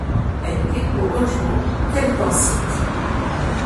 Elle découvre un jour qu’elle est enceinte.